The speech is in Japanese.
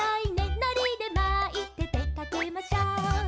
「のりでまいてでかけましょう」